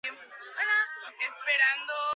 Obtuvo el doctorado en esta última universidad.